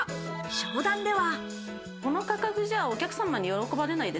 商談では。